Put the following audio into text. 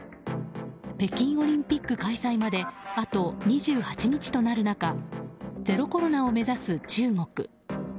北京オリンピック開催まであと２８日となる中ゼロコロナを目指す中国。